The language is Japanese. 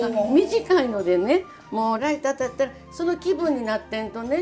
短いのでねもうライト当たったらその気分になってんとね